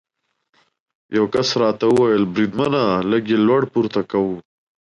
یو کس راته وویل: بریدمنه، لږ یې لوړ پورته کوه.